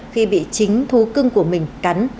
khi bị chính thú cưng của mình cắn